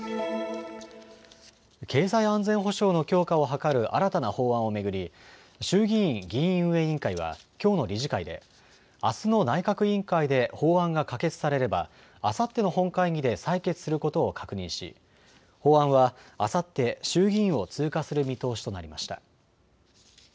経済安全保障の強化を図る新たな法案を巡り衆議院議院運営委員会はきょうの理事会で、あすの内閣委員会で法案が可決されればあさっての本会議で採決することを確認し法案はあさって衆議院を通過する見通しとなりました。